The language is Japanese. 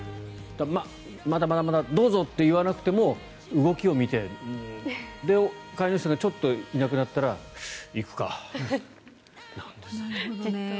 まだまだまだどうぞって言わなくても動きを見てで、飼い主さんがちょっといなくなったら行くか、なんですって。